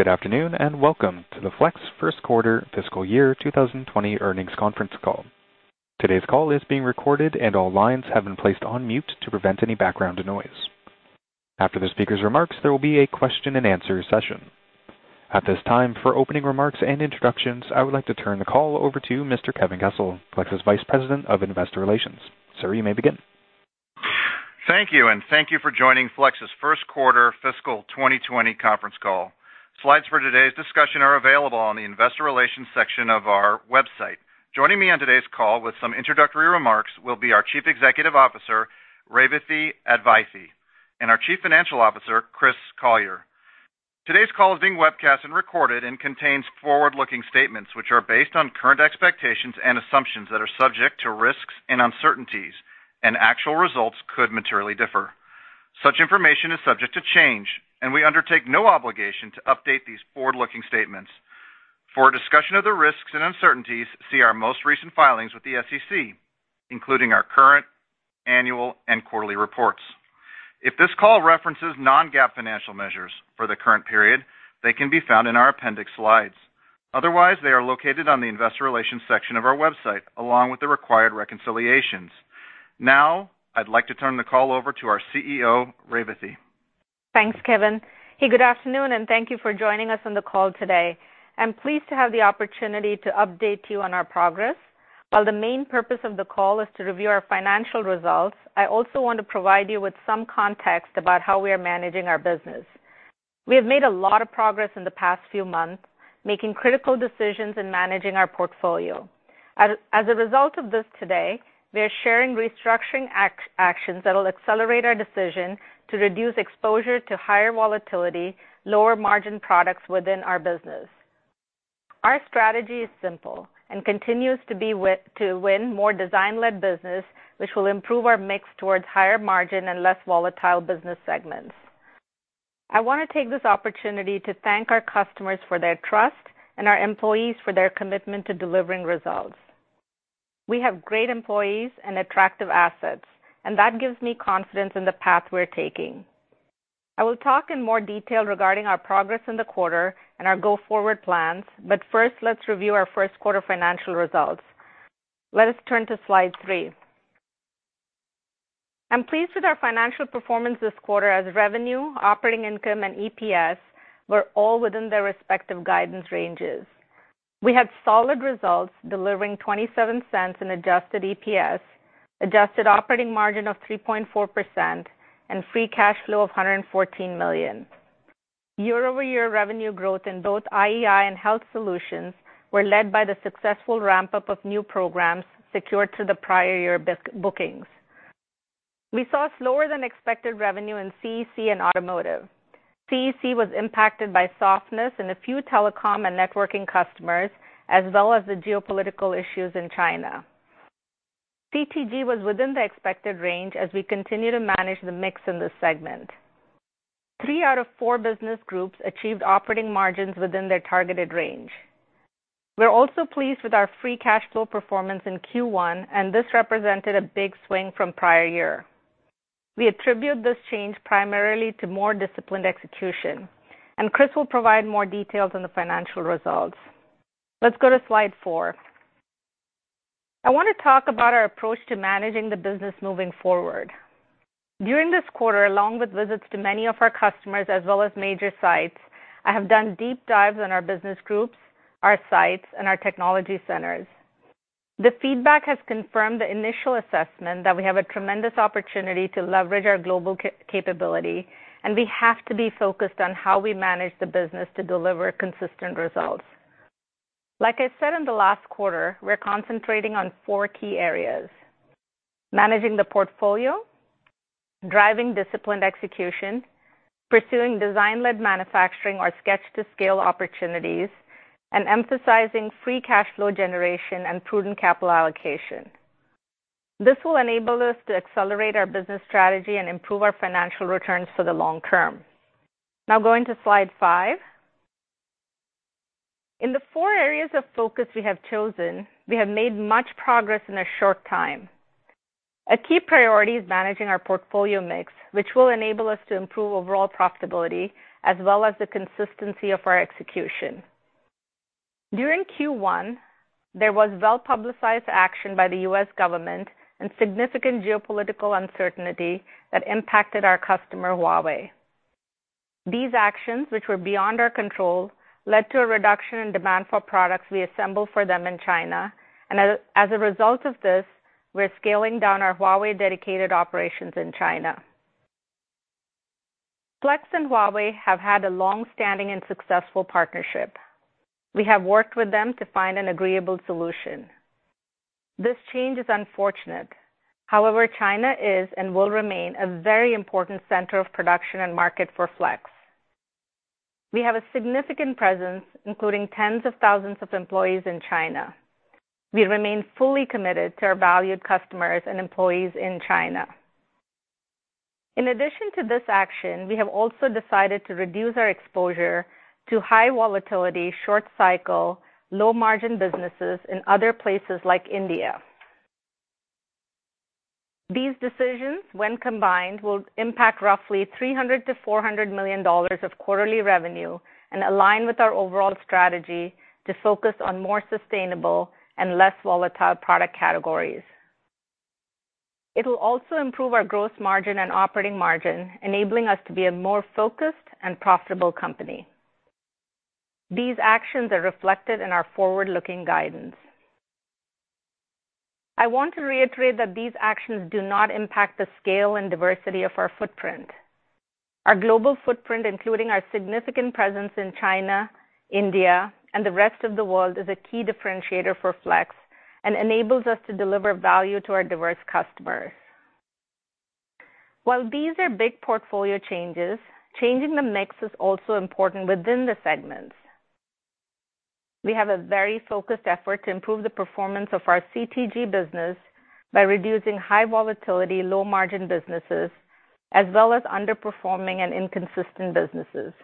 Good afternoon and welcome to the Flex First Quarter Fiscal Year 2020 Earnings Conference Call. Today's call is being recorded and all lines have been placed on mute to prevent any background noise. After the speaker's remarks, there will be a question and answer session. At this time, for opening remarks and introductions, I would like to turn the call over to Mr. Kevin Kessel, Flex's Vice President of Investor Relations. Sir, you may begin. Thank you, and thank you for joining Flex's First Quarter Fiscal 2020 Conference Call. Slides for today's discussion are available on the Investor Relations section of our website. Joining me on today's call with some introductory remarks will be our Chief Executive Officer, Revathi Advaithi, and our Chief Financial Officer, Chris Collier. Today's call is being webcast and recorded and contains forward-looking statements which are based on current expectations and assumptions that are subject to risks and uncertainties, and actual results could materially differ. Such information is subject to change, and we undertake no obligation to update these forward-looking statements. For discussion of the risks and uncertainties, see our most recent filings with the SEC, including our current, annual, and quarterly reports. If this call references non-GAAP financial measures for the current period, they can be found in our appendix slides. Otherwise, they are located on the Investor Relations section of our website, along with the required reconciliations. Now, I'd like to turn the call over to our CEO, Revathi. Thanks, Kevin. Hey, good afternoon, and thank you for joining us on the call today. I'm pleased to have the opportunity to update you on our progress. While the main purpose of the call is to review our financial results, I also want to provide you with some context about how we are managing our business. We have made a lot of progress in the past few months, making critical decisions in managing our portfolio. As a result of this today, we are sharing restructuring actions that will accelerate our decision to reduce exposure to higher volatility, lower margin products within our business. Our strategy is simple and continues to win more design-led business, which will improve our mix towards higher margin and less volatile business segments. I want to take this opportunity to thank our customers for their trust and our employees for their commitment to delivering results. We have great employees and attractive assets, and that gives me confidence in the path we're taking. I will talk in more detail regarding our progress in the quarter and our go forward plans, but first, let's review our First Quarter Financial Results. Let us turn to slide three. I'm pleased with our financial performance this quarter as revenue, operating income, and EPS were all within their respective guidance ranges. We had solid results, delivering $0.27 in adjusted EPS, adjusted operating margin of 3.4%, and free cash flow of $114 million. Year-over-year revenue growth in both IEI and Health Solutions were led by the successful ramp-up of new programs secured through the prior year bookings. We saw slower-than-expected revenue in CEC and automotive. CEC was impacted by softness in a few telecom and networking customers, as well as the geopolitical issues in China. CTG was within the expected range as we continue to manage the mix in this segment. Three out of four business groups achieved operating margins within their targeted range. We're also pleased with our free cash flow performance in Q1, and this represented a big swing from prior year. We attribute this change primarily to more disciplined execution, and Chris will provide more details on the financial results. Let's go to slide four. I want to talk about our approach to managing the business moving forward. During this quarter, along with visits to many of our customers as well as major sites, I have done deep dives on our business groups, our sites, and our technology centers. The feedback has confirmed the initial assessment that we have a tremendous opportunity to leverage our global capability, and we have to be focused on how we manage the business to deliver consistent results. Like I said in the last quarter, we're concentrating on four key areas: managing the portfolio, driving disciplined execution, pursuing design-led manufacturing or Sketch-to-Scale opportunities, and emphasizing free cash flow generation and prudent capital allocation. This will enable us to accelerate our business strategy and improve our financial returns for the long term. Now, going to slide five. In the four areas of focus we have chosen, we have made much progress in a short time. A key priority is managing our portfolio mix, which will enable us to improve overall profitability as well as the consistency of our execution. During Q1, there was well-publicized action by the U.S. government and significant geopolitical uncertainty that impacted our customer, Huawei. These actions, which were beyond our control, led to a reduction in demand for products we assemble for them in China, and as a result of this, we're scaling down our Huawei-dedicated operations in China. Flex and Huawei have had a long-standing and successful partnership. We have worked with them to find an agreeable solution. This change is unfortunate. However, China is and will remain a very important center of production and market for Flex. We have a significant presence, including tens of thousands of employees in China. We remain fully committed to our valued customers and employees in China. In addition to this action, we have also decided to reduce our exposure to high volatility, short-cycle, low-margin businesses in other places like India. These decisions, when combined, will impact roughly $300 million-$400 million of quarterly revenue and align with our overall strategy to focus on more sustainable and less volatile product categories. It will also improve our gross margin and operating margin, enabling us to be a more focused and profitable company. These actions are reflected in our forward-looking guidance. I want to reiterate that these actions do not impact the scale and diversity of our footprint. Our global footprint, including our significant presence in China, India, and the rest of the world, is a key differentiator for Flex and enables us to deliver value to our diverse customers. While these are big portfolio changes, changing the mix is also important within the segments. We have a very focused effort to improve the performance of our CTG business by reducing high-volatility, low-margin businesses, as well as underperforming and inconsistent businesses.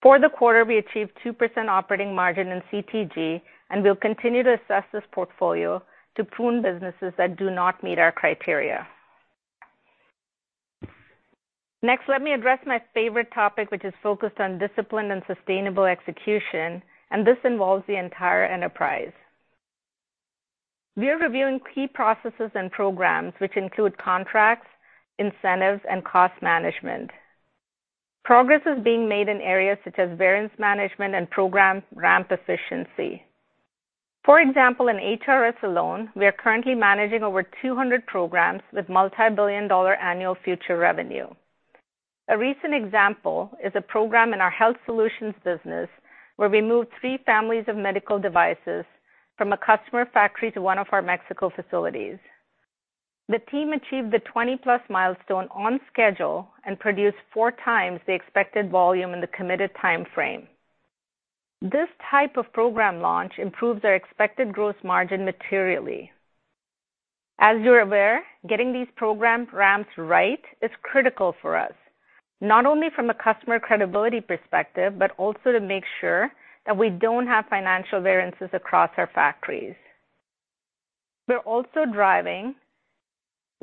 For the quarter, we achieved 2% operating margin in CTG, and we'll continue to assess this portfolio to prune businesses that do not meet our criteria. Next, let me address my favorite topic, which is focused on discipline and sustainable execution, and this involves the entire enterprise. We are reviewing key processes and programs, which include contracts, incentives, and cost management. Progress is being made in areas such as variance management and program ramp efficiency. For example, in HRS alone, we are currently managing over 200 programs with multi-billion-dollar annual future revenue. A recent example is a program in our Health Solutions business where we moved three families of medical devices from a customer factory to one of our Mexico facilities. The team achieved the 20-plus milestone on schedule and produced four times the expected volume in the committed timeframe. This type of program launch improves our expected gross margin materially. As you're aware, getting these program ramps right is critical for us, not only from a customer credibility perspective, but also to make sure that we don't have financial variances across our factories. We're also driving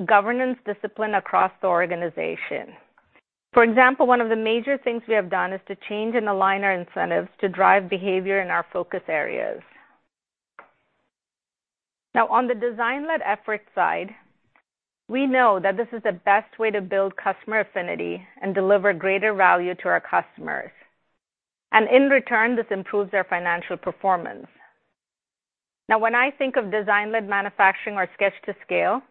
governance discipline across the organization. For example, one of the major things we have done is to change and align our incentives to drive behavior in our focus areas. Now, on the Design-led effort side, we know that this is the best way to build customer affinity and deliver greater value to our customers, and in return, this improves our financial performance. Now, when I think of Design-led manufacturing or Sketch-to-Scale,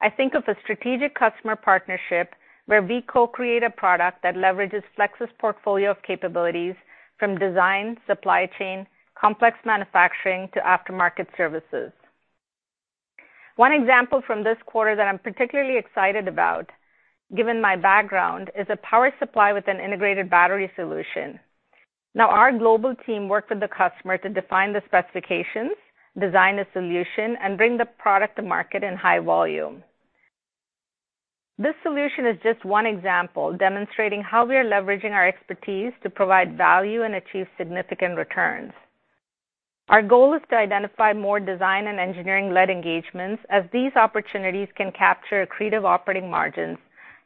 I think of a strategic customer partnership where we co-create a product that leverages Flex's portfolio of capabilities from design, supply chain, complex manufacturing, to aftermarket services. One example from this quarter that I'm particularly excited about, given my background, is a power supply with an integrated battery solution. Now, our global team worked with the customer to define the specifications, design a solution, and bring the product to market in high volume. This solution is just one example demonstrating how we are leveraging our expertise to provide value and achieve significant returns. Our goal is to identify more design and engineering-led engagements, as these opportunities can capture a greater operating margin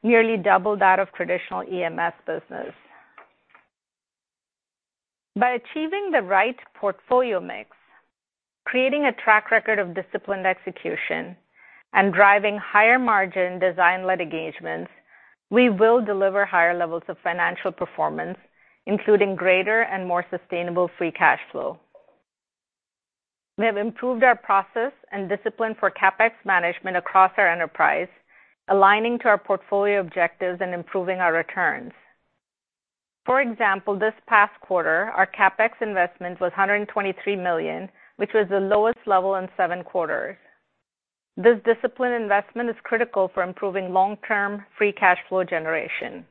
nearly double that of traditional EMS business. By achieving the right portfolio mix, creating a track record of disciplined execution, and driving higher margin design-led engagements, we will deliver higher levels of financial performance, including greater and more sustainable free cash flow. We have improved our process and discipline for CapEx management across our enterprise, aligning to our portfolio objectives and improving our returns. For example, this past quarter, our CapEx investment was $123 million, which was the lowest level in seven quarters. This disciplined investment is critical for improving long-term free cash flow generation.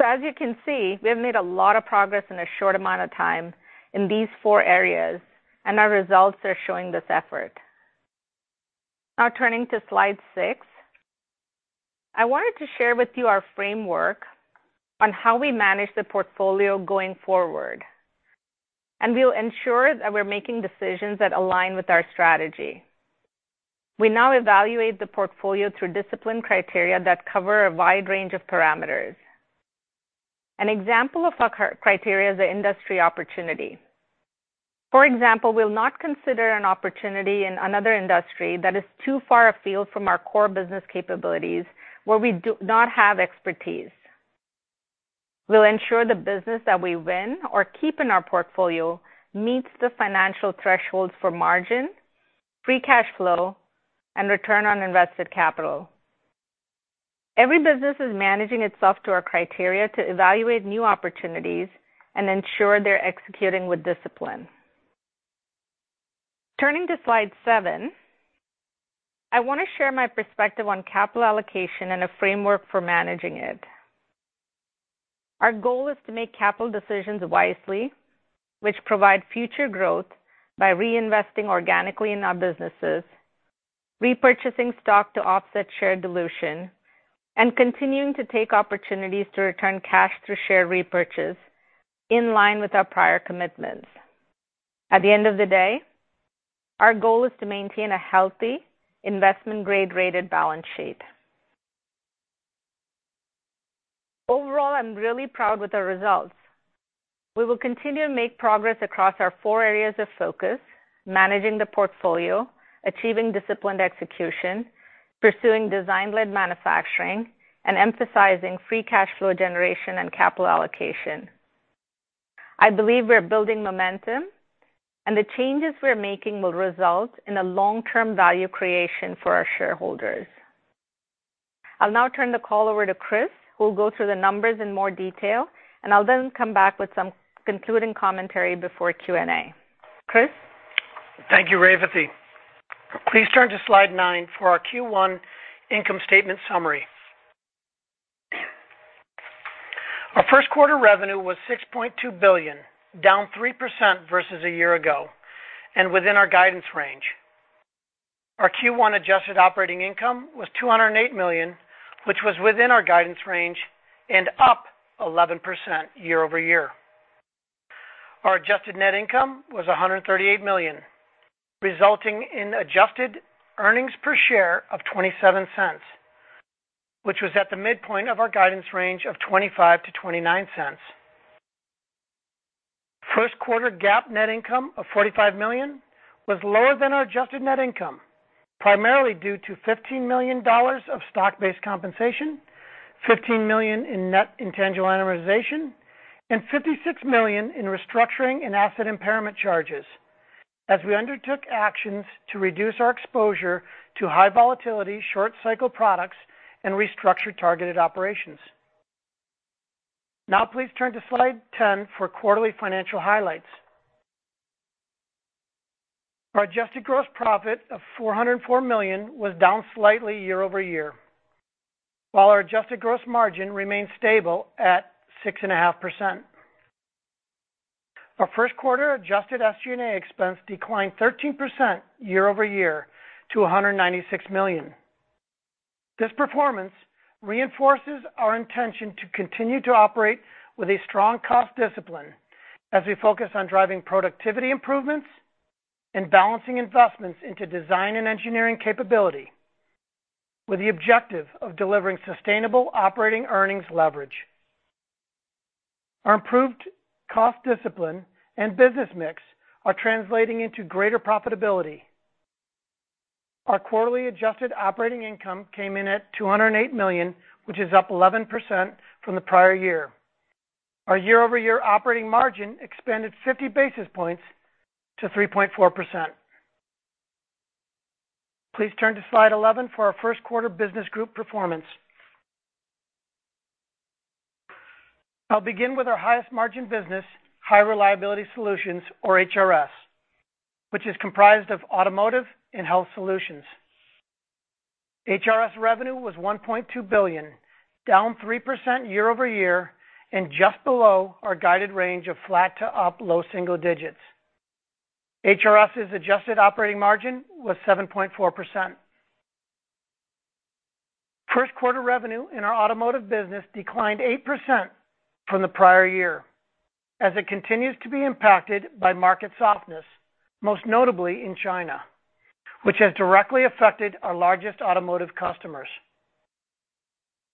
So, as you can see, we have made a lot of progress in a short amount of time in these four areas, and our results are showing this effort. Now, turning to slide six, I wanted to share with you our framework on how we manage the portfolio going forward, and we'll ensure that we're making decisions that align with our strategy. We now evaluate the portfolio through disciplined criteria that cover a wide range of parameters. An example of our criteria is an industry opportunity. For example, we'll not consider an opportunity in another industry that is too far afield from our core business capabilities, where we do not have expertise. We'll ensure the business that we win or keep in our portfolio meets the financial thresholds for margin, free cash flow, and return on invested capital. Every business is managing itself to our criteria to evaluate new opportunities and ensure they're executing with discipline. Turning to slide seven, I want to share my perspective on capital allocation and a framework for managing it. Our goal is to make capital decisions wisely, which provide future growth by reinvesting organically in our businesses, repurchasing stock to offset share dilution, and continuing to take opportunities to return cash through share repurchase in line with our prior commitments. At the end of the day, our goal is to maintain a healthy investment-grade rated balance sheet. Overall, I'm really proud with our results. We will continue to make progress across our four areas of focus: managing the portfolio, achieving disciplined execution, pursuing design-led manufacturing, and emphasizing free cash flow generation and capital allocation. I believe we're building momentum, and the changes we're making will result in a long-term value creation for our shareholders. I'll now turn the call over to Chris, who will go through the numbers in more detail, and I'll then come back with some concluding commentary before Q&A. Chris. Thank you, Revathi. Please turn to slide nine for our Q1 income statement summary. Our first quarter revenue was $6.2 billion, down 3% versus a year ago, and within our guidance range. Our Q1 adjusted operating income was $208 million, which was within our guidance range, and up 11% year-over-year. Our adjusted net income was $138 million, resulting in adjusted earnings per share of $0.27, which was at the midpoint of our guidance range of $0.25-$0.29. First quarter GAAP net income of $45 million was lower than our adjusted net income, primarily due to $15 million of stock-based compensation, $15 million in net intangible amortization, and $56 million in restructuring and asset impairment charges, as we undertook actions to reduce our exposure to high volatility, short-cycle products, and restructured targeted operations. Now, please turn to slide 10 for quarterly financial highlights. Our adjusted gross profit of $404 million was down slightly year-over-year, while our adjusted gross margin remained stable at 6.5%. Our first quarter adjusted SG&A expense declined 13% year-over-year to $196 million. This performance reinforces our intention to continue to operate with a strong cost discipline, as we focus on driving productivity improvements and balancing investments into design and engineering capability, with the objective of delivering sustainable operating earnings leverage. Our improved cost discipline and business mix are translating into greater profitability. Our quarterly adjusted operating income came in at $208 million, which is up 11% from the prior year. Our year-over-year operating margin expanded 50 basis points to 3.4%. Please turn to slide 11 for our first quarter business group performance. I'll begin with our highest margin business, High Reliability Solutions, or HRS, which is comprised of Automotive and Health Solutions. HRS revenue was $1.2 billion, down 3% year-over year, and just below our guided range of flat to up low single digits. HRS's adjusted operating margin was 7.4%. First quarter revenue in our automotive business declined 8% from the prior year, as it continues to be impacted by market softness, most notably in China, which has directly affected our largest automotive customers.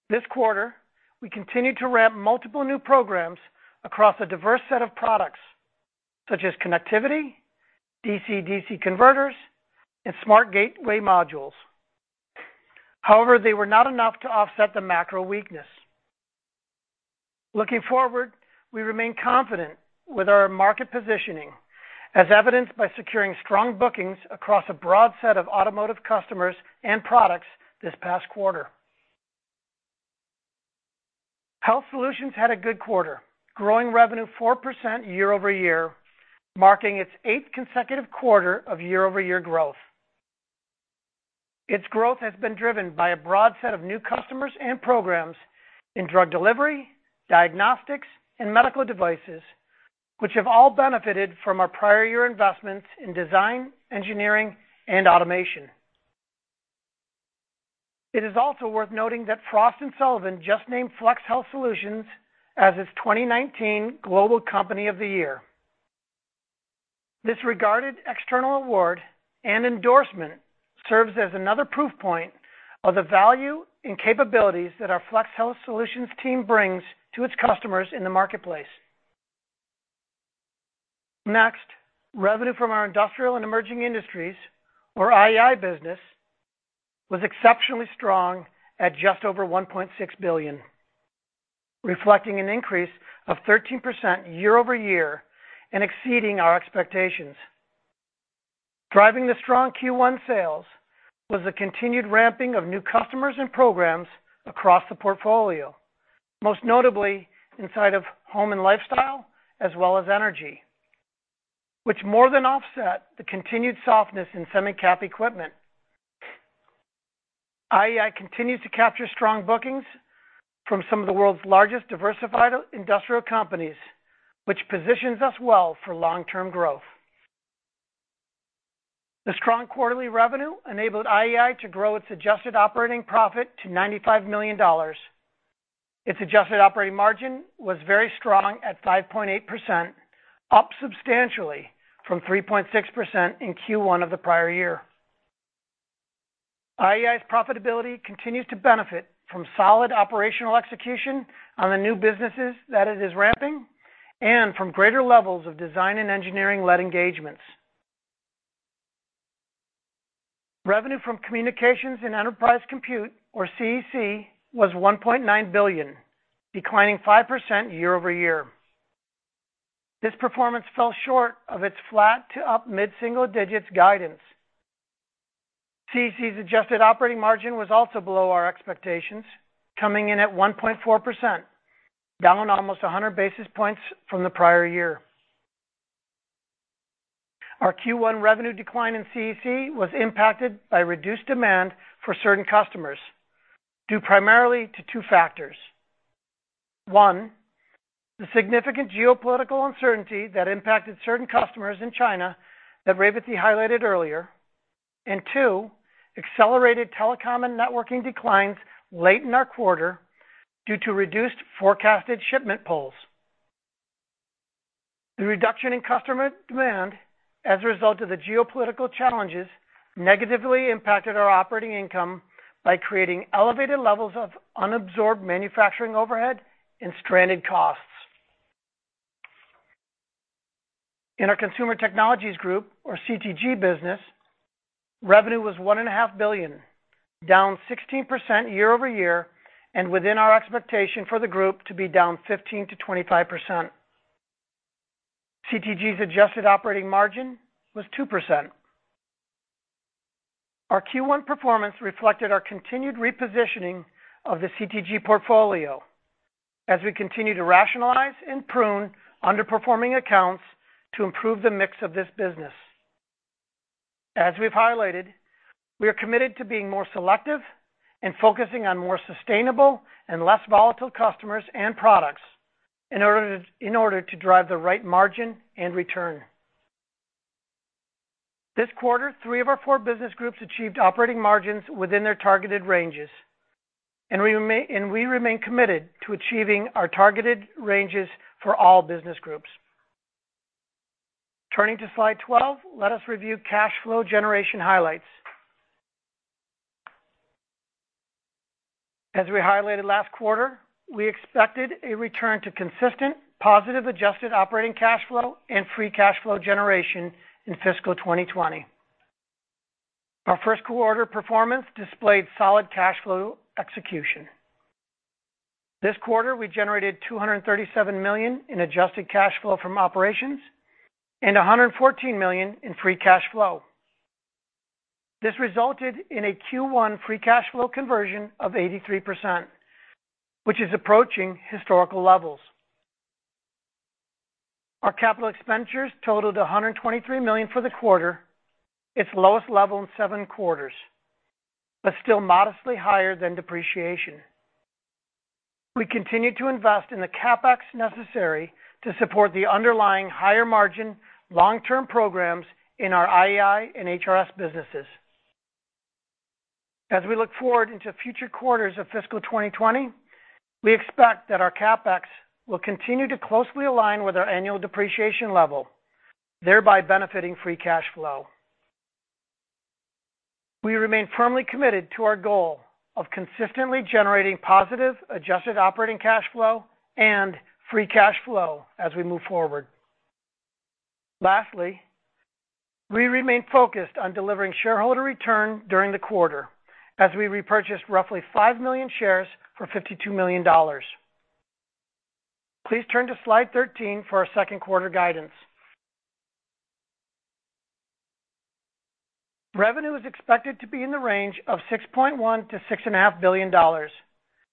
This quarter, we continued to ramp multiple new programs across a diverse set of products, such as connectivity, DC-DC converters, and smart gateway modules. However, they were not enough to offset the macro weakness. Looking forward, we remain confident with our market positioning, as evidenced by securing strong bookings across a broad set of automotive customers and products this past quarter. Health Solutions had a good quarter, growing revenue 4% year-over year, marking its eighth consecutive quarter of year-over-year growth. Its growth has been driven by a broad set of new customers and programs in drug delivery, diagnostics, and medical devices, which have all benefited from our prior year investments in design, engineering, and automation. It is also worth noting that Frost & Sullivan just named Flex Health Solutions as its 2019 Global Company of the Year. This highly regarded external award and endorsement serves as another proof point of the value and capabilities that our Flex Health Solutions team brings to its customers in the marketplace. Next, revenue from our industrial and emerging industries, or IEI business, was exceptionally strong at just over $1.6 billion, reflecting an increase of 13% year-over-year and exceeding our expectations. Driving the strong Q1 sales was the continued ramping of new customers and programs across the portfolio, most notably inside of home and lifestyle, as well as energy, which more than offset the continued softness in semicap equipment. IEI continues to capture strong bookings from some of the world's largest diversified industrial companies, which positions us well for long-term growth. The strong quarterly revenue enabled IEI to grow its adjusted operating profit to $95 million. Its adjusted operating margin was very strong at 5.8%, up substantially from 3.6% in Q1 of the prior year. IEI's profitability continues to benefit from solid operational execution on the new businesses that it is ramping and from greater levels of design and engineering-led engagements. Revenue from communications and enterprise compute, or CEC, was $1.9 billion, declining 5% year over year. This performance fell short of its flat to up mid-single digits guidance. CEC's adjusted operating margin was also below our expectations, coming in at 1.4%, down almost 100 basis points from the prior year. Our Q1 revenue decline in CEC was impacted by reduced demand for certain customers, due primarily to two factors. One, the significant geopolitical uncertainty that impacted certain customers in China that Revathi highlighted earlier, and two, accelerated telecom and networking declines late in our quarter due to reduced forecasted shipment pulls. The reduction in customer demand, as a result of the geopolitical challenges, negatively impacted our operating income by creating elevated levels of unabsorbed manufacturing overhead and stranded costs. In our consumer technologies group, or CTG business, revenue was $1.5 billion, down 16% year over year and within our expectation for the group to be down 15%-25%. CTG's adjusted operating margin was 2%. Our Q1 performance reflected our continued repositioning of the CTG portfolio, as we continue to rationalize and prune underperforming accounts to improve the mix of this business. As we've highlighted, we are committed to being more selective and focusing on more sustainable and less volatile customers and products in order to drive the right margin and return. This quarter, three of our four business groups achieved operating margins within their targeted ranges, and we remain committed to achieving our targeted ranges for all business groups. Turning to slide 12, let us review cash flow generation highlights. As we highlighted last quarter, we expected a return to consistent positive adjusted operating cash flow and free cash flow generation in fiscal 2020. Our first quarter performance displayed solid cash flow execution. This quarter, we generated $237 million in adjusted cash flow from operations and $114 million in free cash flow. This resulted in a Q1 free cash flow conversion of 83%, which is approaching historical levels. Our capital expenditures totaled $123 million for the quarter, its lowest level in seven quarters, but still modestly higher than depreciation. We continue to invest in the CapEx necessary to support the underlying higher margin long-term programs in our IEI and HRS businesses. As we look forward into future quarters of fiscal 2020, we expect that our CapEx will continue to closely align with our annual depreciation level, thereby benefiting free cash flow. We remain firmly committed to our goal of consistently generating positive adjusted operating cash flow and free cash flow as we move forward. Lastly, we remain focused on delivering shareholder return during the quarter, as we repurchased roughly five million shares for $52 million. Please turn to slide 13 for our second quarter guidance. Revenue is expected to be in the range of $6.1-$6.5 billion,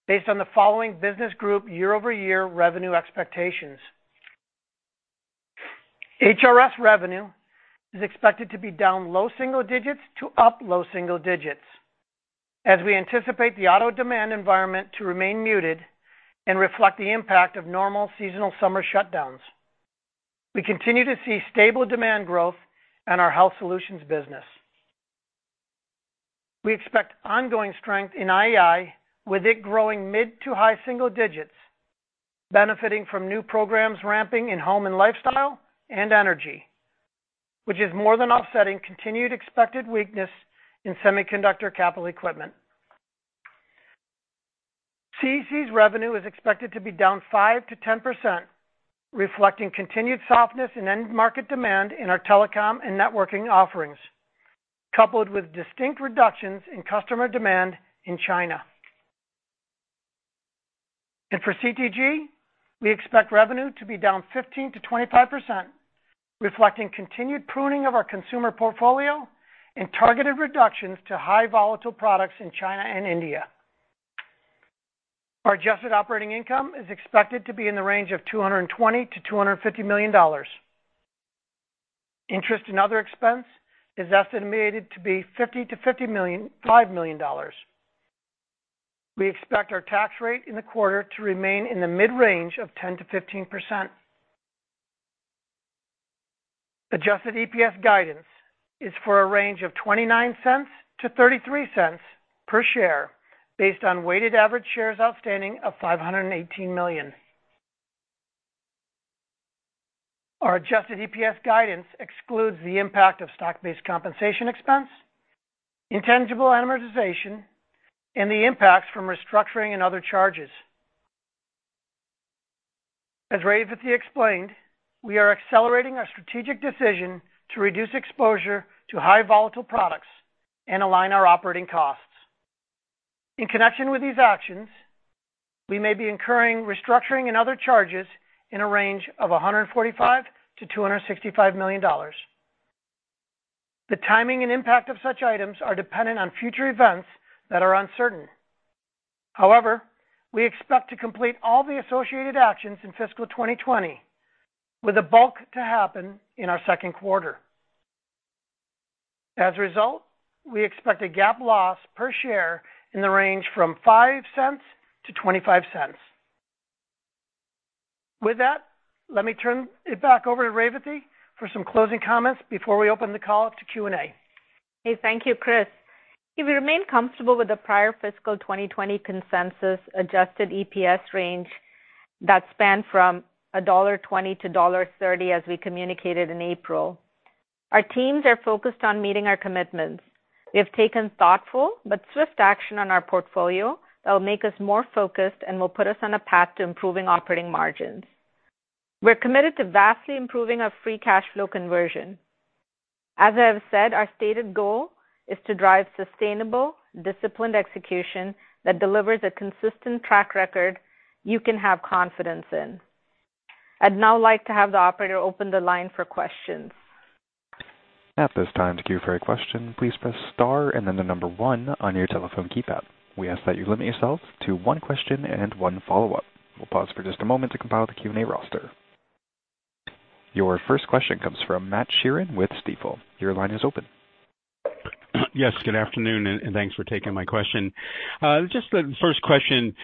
based on the following business group year-over-year revenue expectations. HRS revenue is expected to be down low single digits to up low single digits, as we anticipate the auto demand environment to remain muted and reflect the impact of normal seasonal summer shutdowns. We continue to see stable demand growth in our health solutions business. We expect ongoing strength in IEI, with it growing mid to high single digits, benefiting from new programs ramping in home and lifestyle and energy, which is more than offsetting continued expected weakness in semiconductor capital equipment. CEC's revenue is expected to be down 5%-10%, reflecting continued softness in end market demand in our telecom and networking offerings, coupled with distinct reductions in customer demand in China. For CTG, we expect revenue to be down 15%-25%, reflecting continued pruning of our consumer portfolio and targeted reductions to high volatile products in China and India. Our adjusted operating income is expected to be in the range of $220-$250 million. Interest and other expense is estimated to be $50-$55 million. We expect our tax rate in the quarter to remain in the mid-range of 10%-15%. Adjusted EPS guidance is for a range of $0.29-$0.33 per share, based on weighted average shares outstanding of 518 million. Our adjusted EPS guidance excludes the impact of stock-based compensation expense, intangible amortization, and the impacts from restructuring and other charges. As Revathi explained, we are accelerating our strategic decision to reduce exposure to high volatile products and align our operating costs. In connection with these actions, we may be incurring restructuring and other charges in a range of $145 million-$265 million. The timing and impact of such items are dependent on future events that are uncertain. However, we expect to complete all the associated actions in fiscal 2020, with the bulk to happen in our second quarter. As a result, we expect a GAAP loss per share in the range from $0.05 to $0.25. With that, let me turn it back over to Revathi for some closing comments before we open the call to Q&A. Hey, thank you, Chris. If you remain comfortable with the prior fiscal 2020 consensus adjusted EPS range that spanned from $1.20-$1.30, as we communicated in April, our teams are focused on meeting our commitments. We have taken thoughtful but swift action on our portfolio that will make us more focused and will put us on a path to improving operating margins. We're committed to vastly improving our free cash flow conversion. As I have said, our stated goal is to drive sustainable, disciplined execution that delivers a consistent track record you can have confidence in. I'd now like to have the operator open the line for questions. At this time, to queue for a question, please press star and then the number one on your telephone keypad. We ask that you limit yourself to one question and one follow-up. We'll pause for just a moment to compile the Q&A roster. Your first question comes from Matt Sheerin with Stifel. Your line is open. Yes, good afternoon, and thanks for taking my question. Just the first question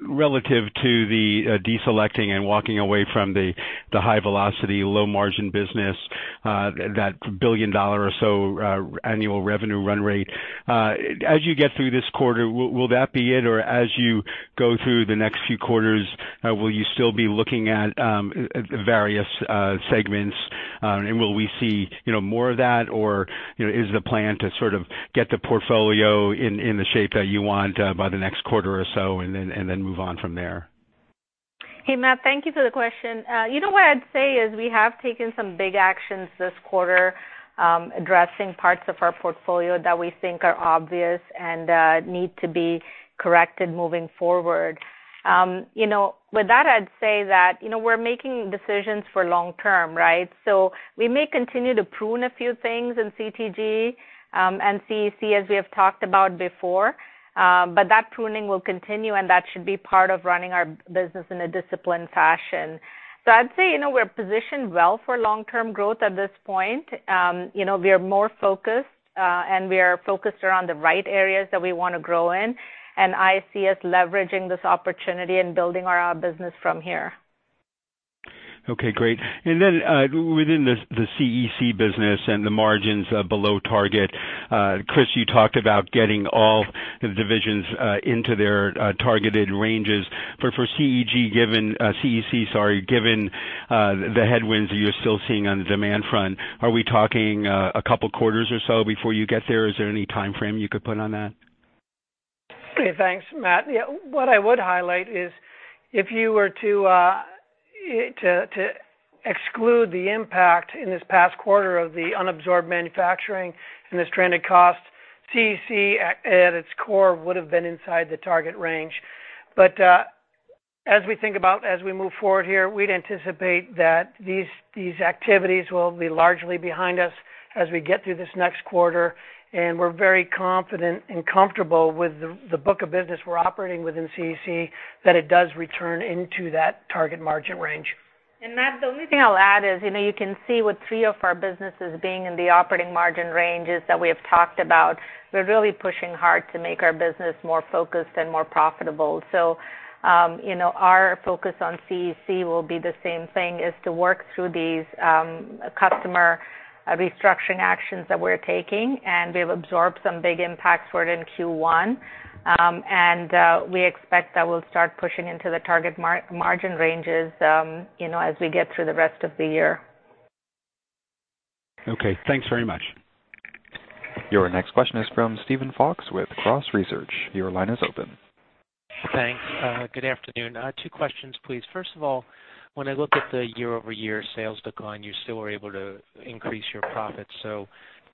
relative to the deselecting and walking away from the high velocity, low margin business, that $1 billion or so annual revenue run rate. As you get through this quarter, will that be it, or as you go through the next few quarters, will you still be looking at various segments, and will we see more of that, or is the plan to sort of get the portfolio in the shape that you want by the next quarter or so and then move on from there? Hey, Matt, thank you for the question. You know what I'd say is we have taken some big actions this quarter addressing parts of our portfolio that we think are obvious and need to be corrected moving forward. You know, with that, I'd say that we're making decisions for long term, right? So we may continue to prune a few things in CTG and CEC, as we have talked about before, but that pruning will continue, and that should be part of running our business in a disciplined fashion. So I'd say we're positioned well for long-term growth at this point. We are more focused, and we are focused around the right areas that we want to grow in, and I see us leveraging this opportunity and building our business from here. Okay, great. And then within the CEC business and the margins below target, Chris, you talked about getting all the divisions into their targeted ranges. But for CEC, sorry, given the headwinds that you're still seeing on the demand front, are we talking a couple quarters or so before you get there? Is there any time frame you could put on that? Okay, thanks, Matt. What I would highlight is if you were to exclude the impact in this past quarter of the unabsorbed manufacturing and the stranded cost, CEC at its core would have been inside the target range. But as we think about, as we move forward here, we'd anticipate that these activities will be largely behind us as we get through this next quarter, and we're very confident and comfortable with the book of business we're operating within CEC that it does return into that target margin range. And Matt, the only thing I'll add is you can see, with three of our businesses being in the operating margin ranges that we have talked about. We're really pushing hard to make our business more focused and more profitable. So, our focus on CEC will be the same thing as to work through these customer restructuring actions that we're taking, and we've absorbed some big impacts for it in Q1, and we expect that we'll start pushing into the target margin ranges as we get through the rest of the year. Okay, thanks very much. Your next question is from Steven Fox with Cross Research. Your line is open. Thanks. Good afternoon. Two questions, please. First of all, when I look at the year-over-year sales decline, you still were able to increase your profits. So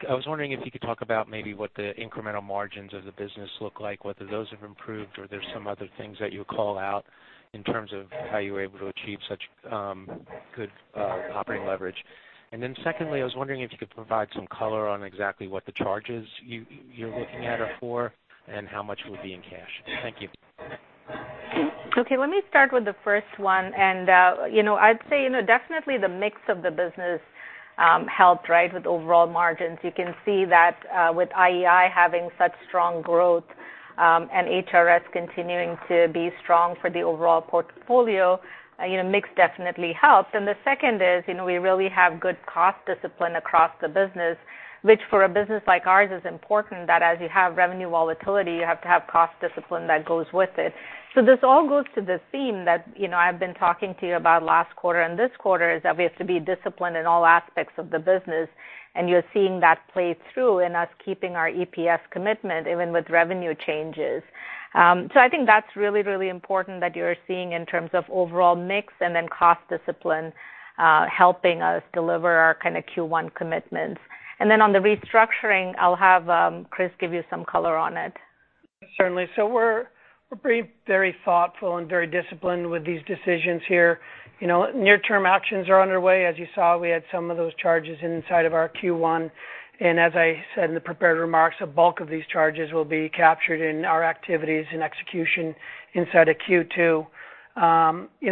I was wondering if you could talk about maybe what the incremental margins of the business look like, whether those have improved or there's some other things that you call out in terms of how you were able to achieve such good operating leverage. And then secondly, I was wondering if you could provide some color on exactly what the charges you're looking at are for and how much will be in cash. Thank you. Okay, let me start with the first one, and I'd say definitely the mix of the business helped, right, with overall margins. You can see that with IEI having such strong growth and HRS continuing to be strong for the overall portfolio. Mix definitely helped. And the second is we really have good cost discipline across the business, which for a business like ours is important that as you have revenue volatility, you have to have cost discipline that goes with it. So this all goes to the theme that I've been talking to you about last quarter and this quarter is that we have to be disciplined in all aspects of the business, and you're seeing that play through in us keeping our EPS commitment even with revenue changes. So I think that's really, really important that you're seeing in terms of overall mix and then cost discipline helping us deliver our kind of Q1 commitments. And then on the restructuring, I'll have Chris give you some color on it. Certainly. So we're being very thoughtful and very disciplined with these decisions here. Near-term actions are underway. As you saw, we had some of those charges inside of our Q1, and as I said in the prepared remarks, a bulk of these charges will be captured in our activities and execution inside of Q2.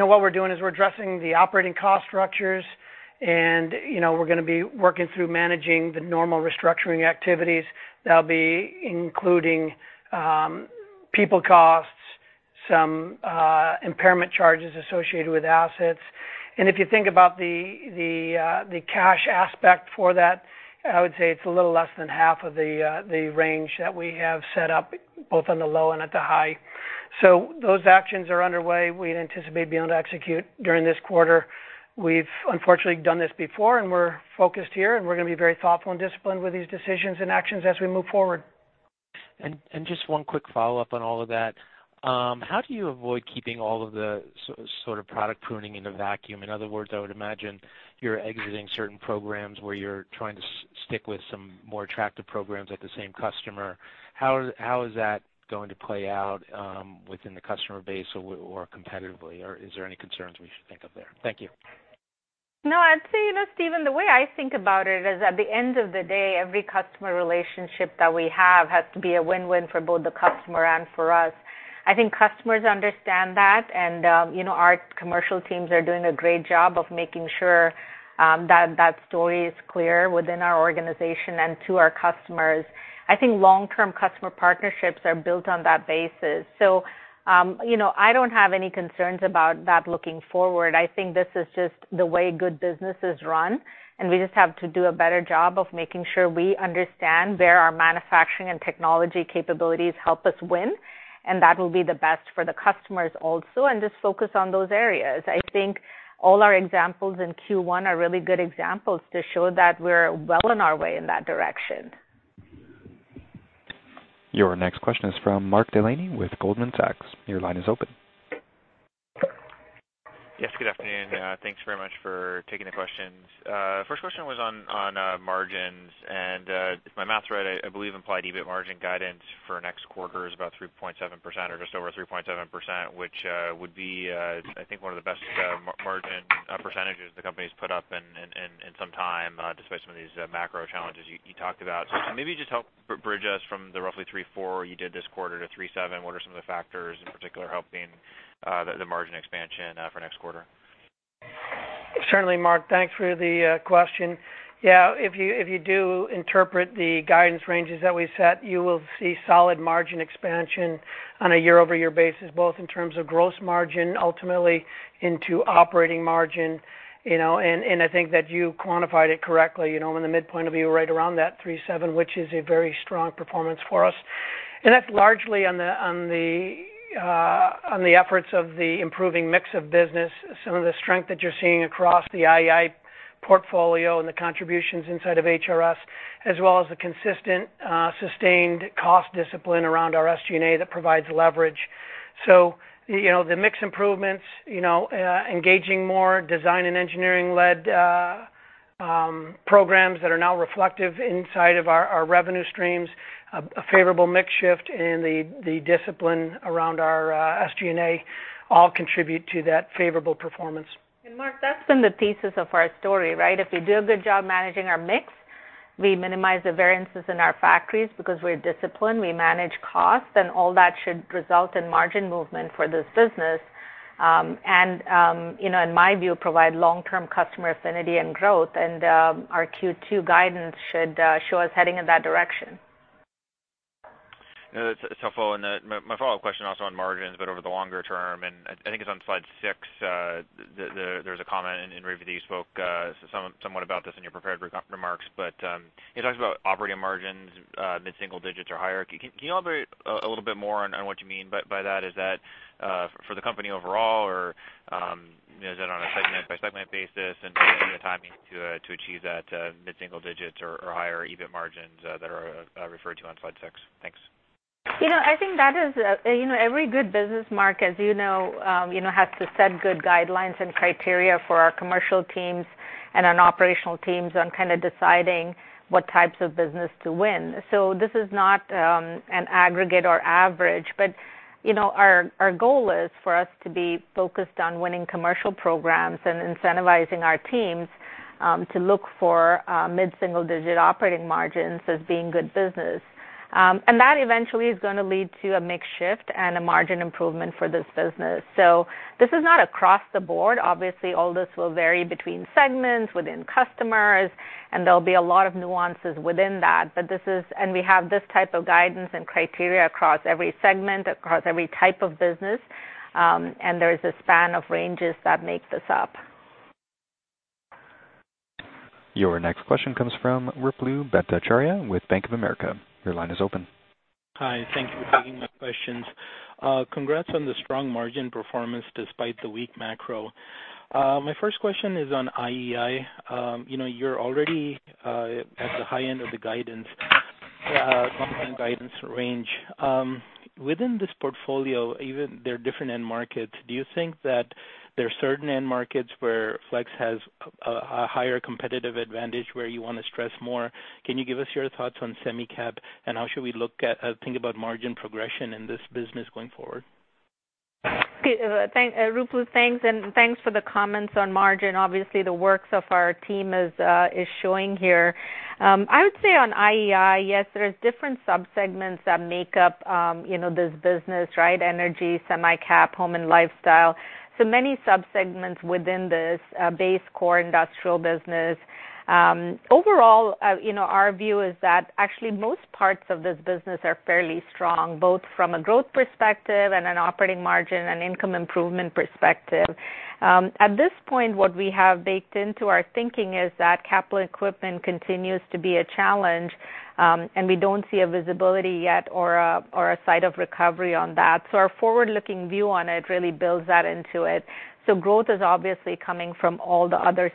What we're doing is we're addressing the operating cost structures, and we're going to be working through managing the normal restructuring activities that'll be including people costs, some impairment charges associated with assets, and if you think about the cash aspect for that, I would say it's a little less than half of the range that we have set up both on the low and at the high, so those actions are underway. We'd anticipate being able to execute during this quarter. We've unfortunately done this before, and we're focused here, and we're going to be very thoughtful and disciplined with these decisions and actions as we move forward And just one quick follow-up on all of that. How do you avoid keeping all of the sort of product pruning in a vacuum? In other words, I would imagine you're exiting certain programs where you're trying to stick with some more attractive programs at the same customer. How is that going to play out within the customer base or competitively? Or is there any concerns we should think of there? Thank you. No, I'd say, Steven, the way I think about it is at the end of the day, every customer relationship that we have has to be a win-win for both the customer and for us. I think customers understand that, and our commercial teams are doing a great job of making sure that that story is clear within our organization and to our customers. I think long-term customer partnerships are built on that basis. So I don't have any concerns about that looking forward. I think this is just the way good business is run, and we just have to do a better job of making sure we understand where our manufacturing and technology capabilities help us win, and that will be the best for the customers also, and just focus on those areas. I think all our examples in Q1 are really good examples to show that we're well on our way in that direction. Your next question is from Mark Delaney with Goldman Sachs. Your line is open. Yes, good afternoon. Thanks very much for taking the questions. First question was on margins, and if my math's right, I believe implied EBIT margin guidance for next quarter is about 3.7% or just over 3.7%, which would be, I think, one of the best margin percentages the company's put up in some time despite some of these macro challenges you talked about. So maybe just help bridge us from the roughly 3.4% you did this quarter to 3.7%. What are some of the factors in particular helping the margin expansion for next quarter? Certainly, Mark. Thanks for the question. Yeah, if you do interpret the guidance ranges that we set, you will see solid margin expansion on a year-over-year basis, both in terms of gross margin ultimately into operating margin. And I think that you quantified it correctly. I'm in the midpoint of being right around that 3.7%, which is a very strong performance for us. And that's largely on the efforts of the improving mix of business, some of the strength that you're seeing across the IEI portfolio and the contributions inside of HRS, as well as the consistent sustained cost discipline around our SG&A that provides leverage. So the mixed improvements, engaging more design and engineering-led programs that are now reflective inside of our revenue streams, a favorable mix shift in the discipline around our SG&A all contribute to that favorable performance. And Mark, that's been the thesis of our story, right? If we do a good job managing our mix, we minimize the variances in our factories because we're disciplined, we manage costs, and all that should result in margin movement for this business, and in my view, provide long-term customer affinity and growth. And our Q2 guidance should show us heading in that direction. It's helpful. And my follow-up question also on margins, but over the longer term, and I think it's on slide six, there's a comment. Revathi, you spoke somewhat about this in your prepared remarks, but it talks about operating margins, mid-single digits or higher. Can you elaborate a little bit more on what you mean by that? Is that for the company overall, or is it on a segment-by-segment basis and the timing to achieve that mid-single digits or higher EBIT margins that are referred to on slide six? Thanks. I think that is every good business, Mark, as you know, has to set good guidelines and criteria for our commercial teams and our operational teams on kind of deciding what types of business to win. So this is not an aggregate or average, but our goal is for us to be focused on winning commercial programs and incentivizing our teams to look for mid-single digit operating margins as being good business. And that eventually is going to lead to a mix shift and a margin improvement for this business. So this is not across the board. Obviously, all this will vary between segments, within customers, and there'll be a lot of nuances within that. But this is, and we have this type of guidance and criteria across every segment, across every type of business, and there is a span of ranges that make this up. Your next question comes from Ruplu Bhattacharya with Bank of America. Your line is open. Hi, thank you for taking my questions. Congrats on the strong margin performance despite the weak macro. My first question is on IEI. You know, you're already at the high end of the guidance range. Um, within this portfolio, even there are different end markets. Do you think that there are certain end markets where Flex has a higher competitive advantage where you want to stress more? Can you give us your thoughts on semi-cap, and how should we think about margin progression in this business going forward? Ruplu, thanks, and thanks for the comments on margin. Obviously, the work of our team is showing here. I would say on IEI, yes, there are different subsegments that make up this business, right? Energy, semi-cap, home and lifestyle. So many subsegments within this base core industrial business. Overall, our view is that actually most parts of this business are fairly strong, both from a growth perspective and an operating margin and income improvement perspective. At this point, what we have baked into our thinking is that capital equipment continues to be a challenge, and we don't see a visibility yet or a sight of recovery on that. So our forward-looking view on it really builds that into it. So growth is obviously coming from all the other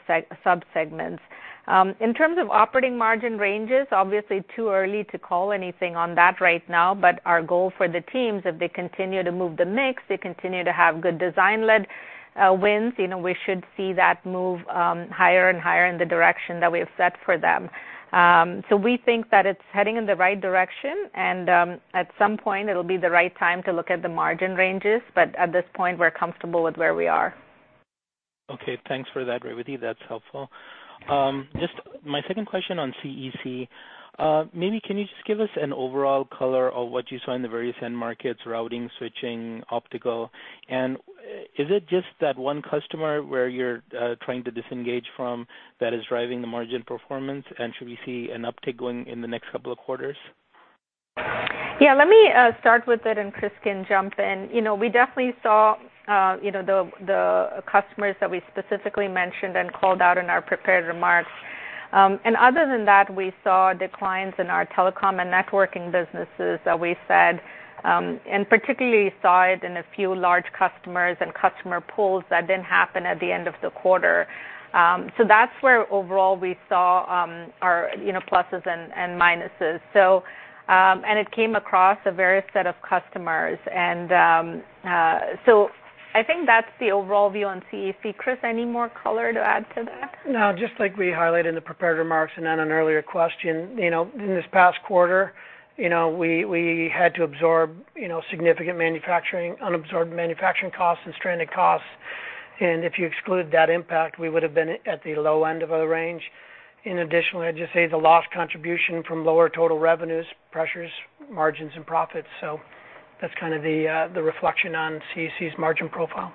subsegments. In terms of operating margin ranges, obviously too early to call anything on that right now, but our goal for the teams, if they continue to move the mix, they continue to have good design-led wins, we should see that move higher and higher in the direction that we have set for them. So we think that it's heading in the right direction, and at some point, it'll be the right time to look at the margin ranges, but at this point, we're comfortable with where we are. Okay, thanks for that, Revathi. That's helpful. Just my second question on CEC. Maybe can you just give us an overall color of what you saw in the various end markets, routing, switching, optical? Is it just that one customer where you're trying to disengage from that is driving the margin performance, and should we see an uptick going in the next couple of quarters? Yeah, let me start with it, and Chris can jump in. We definitely saw the customers that we specifically mentioned and called out in our prepared remarks. Other than that, we saw declines in our telecom and networking businesses that we said, and particularly saw it in a few large customers and customer pulls that didn't happen at the end of the quarter. So that's where overall we saw our pluses and minuses. It came across a various set of customers. So I think that's the overall view on CEC. Chris, any more color to add to that? No, just like we highlighted in the prepared remarks and then an earlier question. In this past quarter, we had to absorb significant manufacturing, unabsorbed manufacturing costs, and stranded costs. If you exclude that impact, we would have been at the low end of our range. Additionally, I'd just say the lost contribution from lower total revenues, pressures, margins, and profits. So that's kind of the reflection on CEC's margin profile.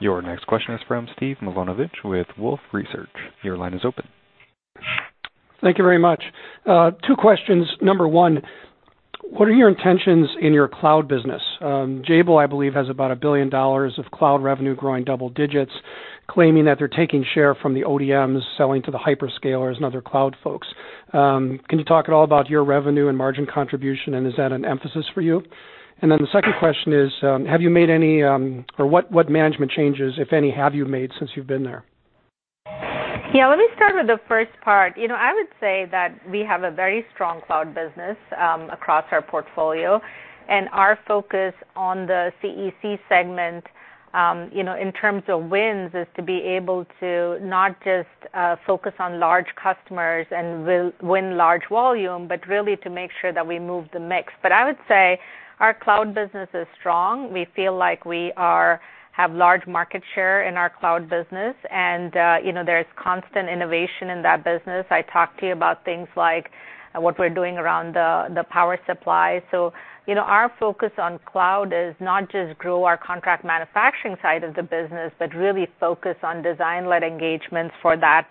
Your next question is from Steve Milunovich with Wolfe Research. Your line is open. Thank you very much. Two questions. Number one, what are your intentions in your cloud business? Jabil, I believe, has about $1 billion of cloud revenue growing double digits, claiming that they're taking share from the ODMs selling to the hyperscalers and other cloud folks. Can you talk at all about your revenue and margin contribution, and is that an emphasis for you? Then the second question is, have you made any, or what management changes, if any, have you made since you've been there? Yeah, let me start with the first part. I would say that we have a very strong cloud business across our portfolio, and our focus on the CEC segment in terms of wins is to be able to not just focus on large customers and win large volume, but really to make sure that we move the mix. But I would say our cloud business is strong. We feel like we have large market share in our cloud business, and there is constant innovation in that business. I talked to you about things like what we're doing around the power supply. So our focus on cloud is not just to grow our contract manufacturing side of the business, but really focus on design-led engagements for that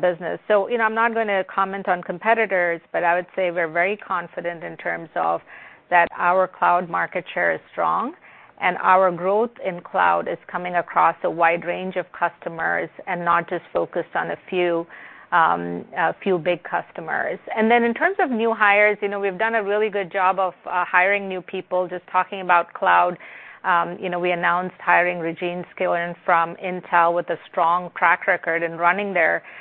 business. I'm not going to comment on competitors, but I would say we're very confident in terms of that our cloud market share is strong, and our growth in cloud is coming across a wide range of customers and not just focused on a few big customers. And then in terms of new hires, we've done a really good job of hiring new people. Just talking about cloud, we announced hiring Raejeanne Skillern from Intel with a strong track record in running their cloud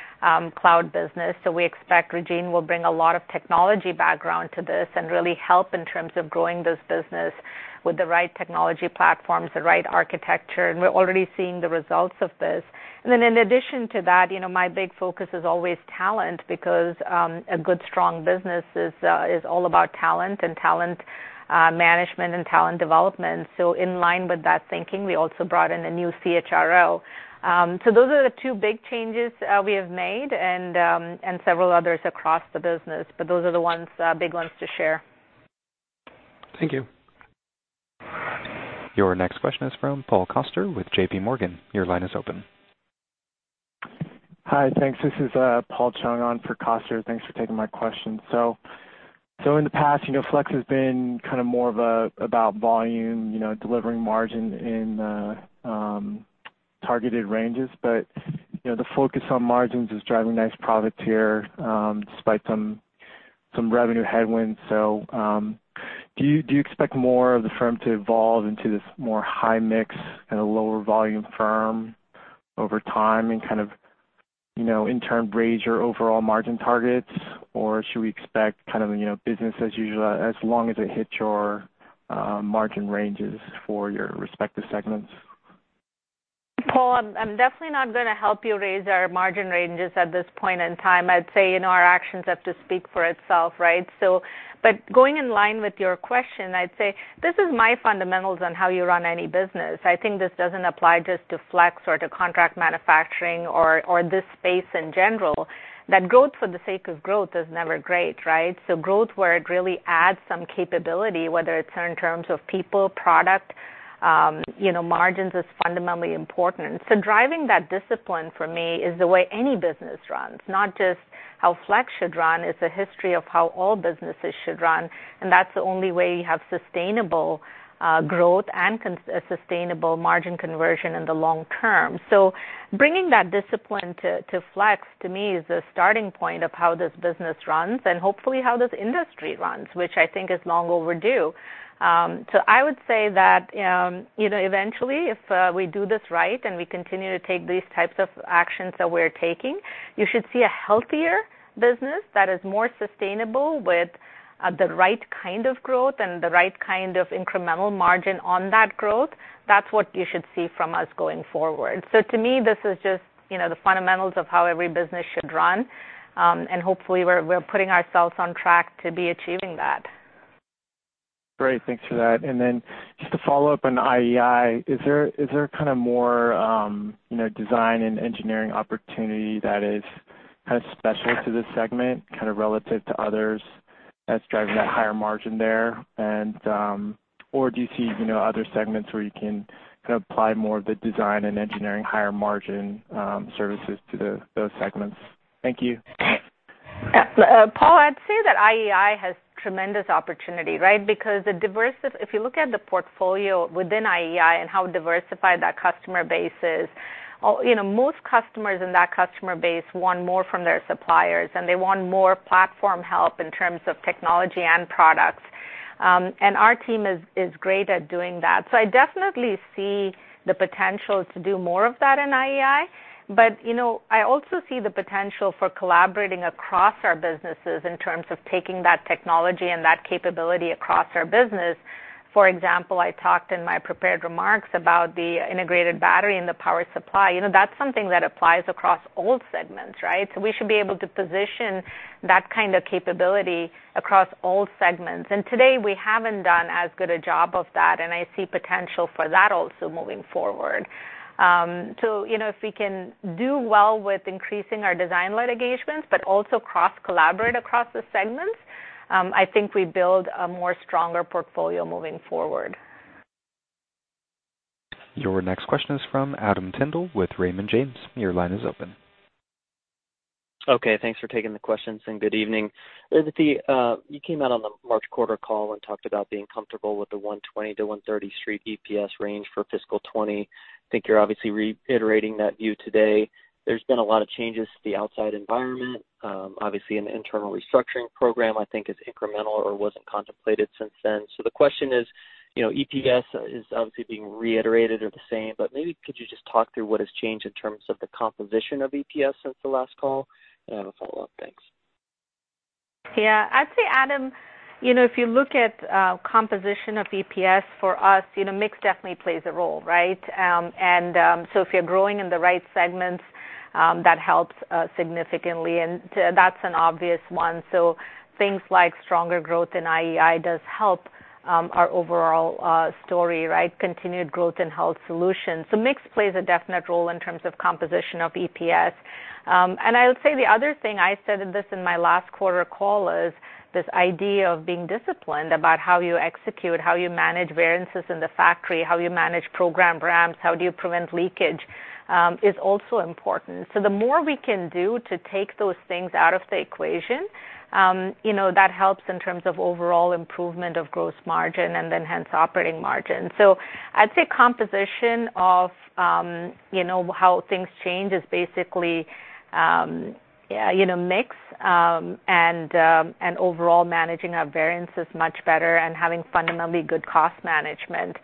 business. So we expect Raejeanne will bring a lot of technology background to this and really help in terms of growing this business with the right technology platforms, the right architecture. And we're already seeing the results of this. And then in addition to that, my big focus is always talent because a good, strong business is all about talent and talent management and talent development. So in line with that thinking, we also brought in a new CHRO. So those are the two big changes we have made and several others across the business, but those are the big ones to share. Thank you. Your next question is from Paul Coster with JP Morgan. Your line is open. Hi, thanks. This is Paul Chung on for Coster. Thanks for taking my question. So in the past, Flex has been kind of more about volume, delivering margin in targeted ranges, but the focus on margins is driving nice profits here despite some revenue headwinds. So do you expect more of the firm to evolve into this more high-mix, kind of lower-volume firm over time and kind of, in turn, raise your overall margin targets, or should we expect kind of business as usual as long as it hits your margin ranges for your respective segments? Paul, I'm definitely not going to help you raise our margin ranges at this point in time. I'd say our actions have to speak for itself, right, but going in line with your question, I'd say this is my fundamentals on how you run any business. I think this doesn't apply just to Flex or to contract manufacturing or this space in general. That growth for the sake of growth is never great, right, so growth where it really adds some capability, whether it's in terms of people, product, margins is fundamentally important, so driving that discipline for me is the way any business runs. Not just how Flex should run. It's a history of how all businesses should run, and that's the only way you have sustainable growth and sustainable margin conversion in the long term. So bringing that discipline to Flex, to me, is the starting point of how this business runs and hopefully how this industry runs, which I think is long overdue. So I would say that eventually, if we do this right and we continue to take these types of actions that we're taking, you should see a healthier business that is more sustainable with the right kind of growth and the right kind of incremental margin on that growth. That's what you should see from us going forward. So to me, this is just the fundamentals of how every business should run, and hopefully, we're putting ourselves on track to be achieving that. Great. Thanks for that. Then just to follow up on IEI, is there kind of more design and engineering opportunity that is kind of special to this segment, kind of relative to others that's driving that higher margin there? Or do you see other segments where you can kind of apply more of the design and engineering higher margin services to those segments? Thank you. Paul, I'd say that IEI has tremendous opportunity, right? Because if you look at the portfolio within IEI and how diversified that customer base is, most customers in that customer base want more from their suppliers, and they want more platform help in terms of technology and products. Our team is great at doing that. So I definitely see the potential to do more of that in IEI, but I also see the potential for collaborating across our businesses in terms of taking that technology and that capability across our business. For example, I talked in my prepared remarks about the integrated battery and the power supply. That's something that applies across all segments, right? So we should be able to position that kind of capability across all segments. And today, we haven't done as good a job of that, and I see potential for that also moving forward. So if we can do well with increasing our design-led engagements, but also cross-collaborate across the segments, I think we build a more stronger portfolio moving forward. Your next question is from Adam Tindle with Raymond James. Your line is open. Okay, thanks for taking the questions, and good evening. Revathi, you came out on the March quarter call and talked about being comfortable with the $1.20-$1.30 Street EPS range for fiscal 2020. I think you're obviously reiterating that view today. There's been a lot of changes to the outside environment. Obviously, an internal restructuring program, I think, is incremental or wasn't contemplated since then. So the question is, EPS is obviously being reiterated or the same, but maybe could you just talk through what has changed in terms of the composition of EPS since the last call? I have a follow-up. Thanks. Yeah, I'd say, Adam, if you look at composition of EPS for us, mix definitely plays a role, right? And so if you're growing in the right segments, that helps significantly, and that's an obvious one. So things like stronger growth in IEI does help our overall story, right? Continued growth and health solutions. So mix plays a definite role in terms of composition of EPS. And I would say the other thing I said in my last quarter call is this idea of being disciplined about how you execute, how you manage variances in the factory, how you manage program ramps, how do you prevent leakage is also important. So the more we can do to take those things out of the equation, that helps in terms of overall improvement of gross margin and then hence operating margin. So I'd say composition of how things change is basically mix and overall managing our variances much better and having fundamentally good cost management.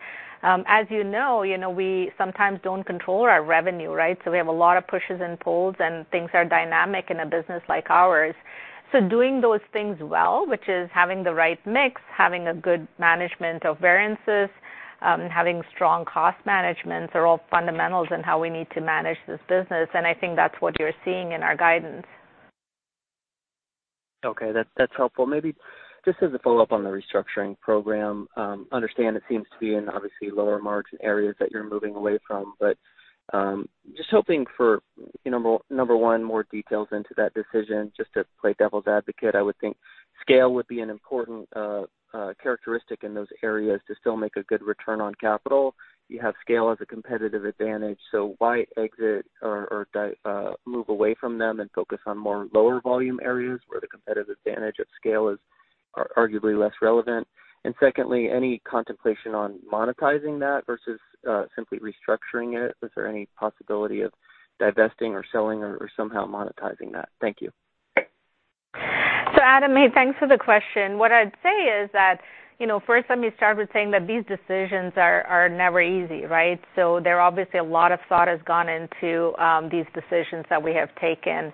As you know, we sometimes don't control our revenue, right? So we have a lot of pushes and pulls, and things are dynamic in a business like ours. So doing those things well, which is having the right mix, having a good management of variances, having strong cost management are all fundamentals in how we need to manage this business. And I think that's what you're seeing in our guidance. Okay, that's helpful. Maybe just as a follow-up on the restructuring program, understand it seems to be in obviously lower margin areas that you're moving away from, but just hoping for, number one, more details into that decision. Just to play devil's advocate, I would think scale would be an important characteristic in those areas to still make a good return on capital. You have scale as a competitive advantage. So why exit or move away from them and focus on more lower volume areas where the competitive advantage of scale is arguably less relevant? And secondly, any contemplation on monetizing that versus simply restructuring it? Is there any possibility of divesting or selling or somehow monetizing that? Thank you. So, Adam, hey, thanks for the question. What I'd say is that first, let me start with saying that these decisions are never easy, right? So there's obviously a lot of thought has gone into these decisions that we have taken.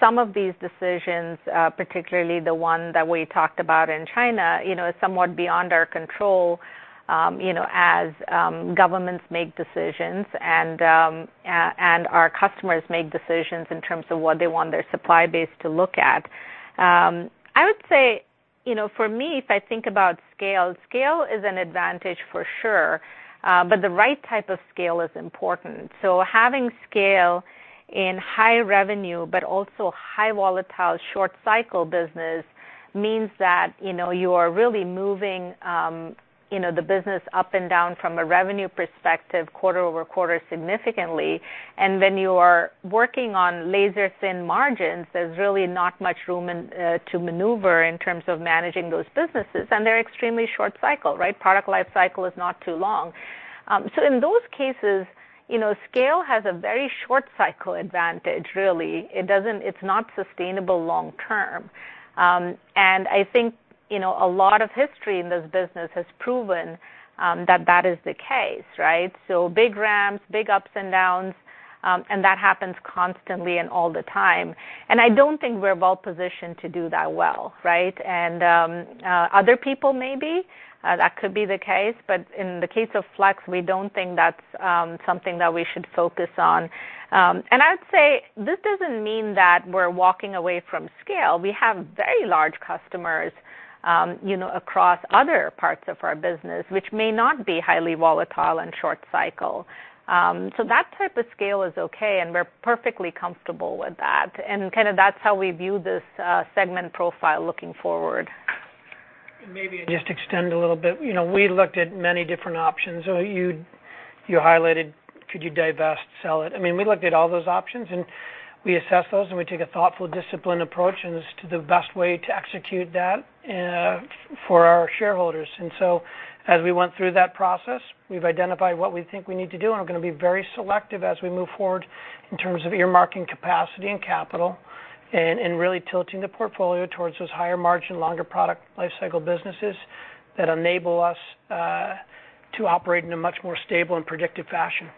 Some of these decisions, particularly the one that we talked about in China, is somewhat beyond our control as governments make decisions and our customers make decisions in terms of what they want their supply base to look like. I would say for me, if I think about scale, scale is an advantage for sure, but the right type of scale is important. So having scale in high revenue, but also high volatile short cycle business means that you are really moving the business up and down from a revenue perspective quarter over quarter significantly. And when you are working on laser-thin margins, there's really not much room to maneuver in terms of managing those businesses, and they're extremely short cycle, right? Product life cycle is not too long. So in those cases, scale has a very short cycle advantage, really. It's not sustainable long term. And I think a lot of history in this business has proven that that is the case, right? So big ramps, big ups and downs, and that happens constantly and all the time. And I don't think we're well-positioned to do that well, right? And other people maybe, that could be the case, but in the case of Flex, we don't think that's something that we should focus on. And I would say this doesn't mean that we're walking away from scale. We have very large customers across other parts of our business, which may not be highly volatile and short cycle. So that type of scale is okay, and we're perfectly comfortable with that. And kind of that's how we view this segment profile looking forward. Maybe I just extend a little bit. We looked at many different options. You highlighted, could you divest, sell it? I mean, we looked at all those options, and we assess those, and we take a thoughtful disciplined approach as to the best way to execute that for our shareholders. And so as we went through that process, we've identified what we think we need to do, and we're going to be very selective as we move forward in terms of earmarking capacity and capital and really tilting the portfolio towards those higher margin, longer product life cycle businesses that enable us to operate in a much more stable and predictive fashion.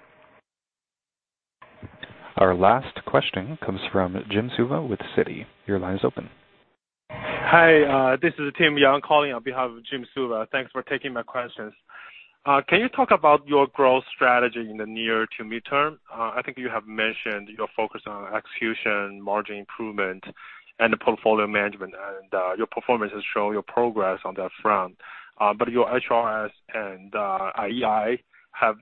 Our last question comes from Jim Suva with Citi. Your line is open. Hi, this is Tim Yang calling on behalf of Jim Suva. Thanks for taking my questions. Can you talk about your growth strategy in the near to midterm? I think you have mentioned your focus on execution, margin improvement, and portfolio management, and your performance has shown your progress on that front. But your HRS and IEI have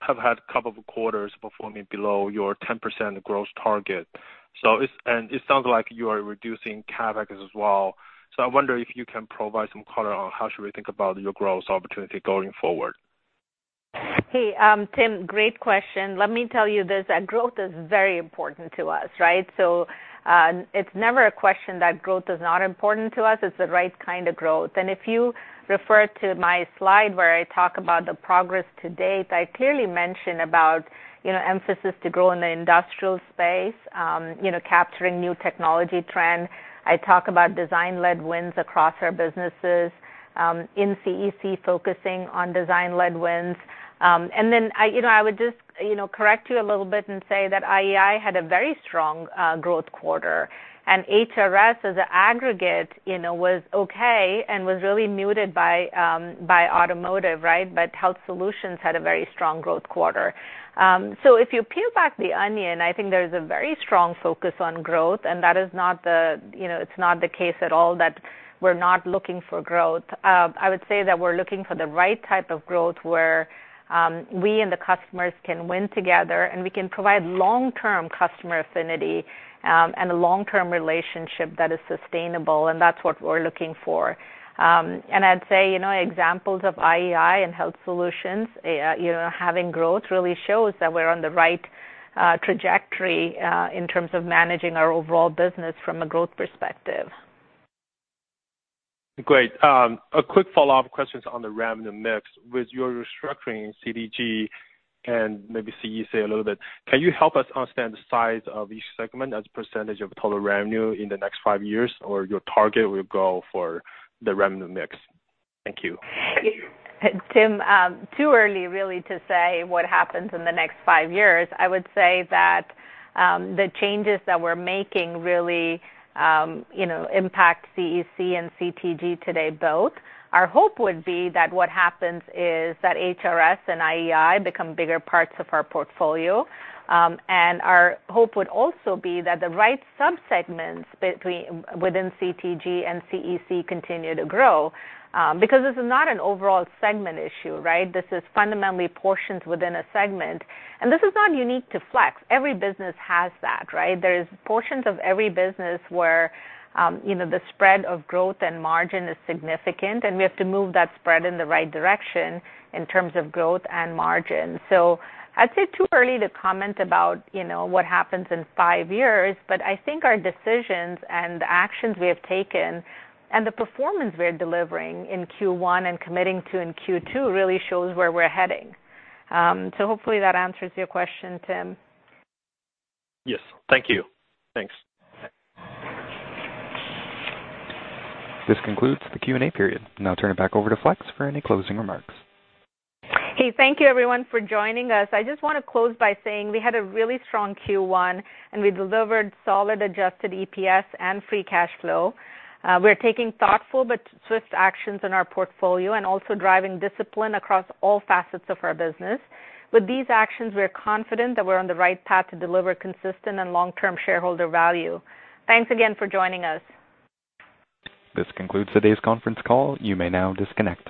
had a couple of quarters performing below your 10% growth target. It sounds like you are reducing CapEx as well. So I wonder if you can provide some color on how should we think about your growth opportunity going forward. Hey, Tim, great question. Let me tell you, growth is very important to us, right? So it's never a question that growth is not important to us. It's the right kind of growth. If you refer to my slide where I talk about the progress to date, I clearly mentioned about emphasis to grow in the industrial space, capturing new technology trend. I talk about design-led wins across our businesses, CEC focusing on design-led wins. Then I would just correct you a little bit and say that IEI had a very strong growth quarter. HRS as an aggregate was okay and was really muted by automotive, right? Health Solutions had a very strong growth quarter. So if you peel back the onion, I think there's a very strong focus on growth, and that is not the case at all that we're not looking for growth. I would say that we're looking for the right type of growth where we and the customers can win together, and we can provide long-term customer affinity and a long-term relationship that is sustainable, and that's what we're looking for. And I'd say examples of IEI and Health Solutions having growth really shows that we're on the right trajectory in terms of managing our overall business from a growth perspective. Great. A quick follow-up question on the revenue mix. With your restructuring in CTG and maybe CEC a little bit, can you help us understand the size of each segment as a percentage of total revenue in the next five years or your target or your goal for the revenue mix? Thank you. Tim, too early really to say what happens in the next five years. I would say that the changes that we're making really impact CEC and CTG today both. Our hope would be that what happens is that HRS and IEI become bigger parts of our portfolio. And our hope would also be that the right subsegments within CTG and CEC continue to grow because this is not an overall segment issue, right? This is fundamentally portions within a segment. And this is not unique to Flex. Every business has that, right? There are portions of every business where the spread of growth and margin is significant, and we have to move that spread in the right direction in terms of growth and margin. So I'd say it's too early to comment about what happens in five years, but I think our decisions and the actions we have taken and the performance we're delivering in Q1 and committing to in Q2 really shows where we're heading. So hopefully that answers your question, Tim. Yes. Thank you. Thanks. This concludes the Q&A period. Now turning back over to Flex for any closing remarks. Hey, thank you everyone for joining us. I just want to close by saying we had a really strong Q1, and we delivered solid adjusted EPS and free cash flow. We're taking thoughtful but swift actions in our portfolio and also driving discipline across all facets of our business. With these actions, we're confident that we're on the right path to deliver consistent and long-term shareholder value. Thanks again for joining us. This concludes today's conference call. You may now disconnect.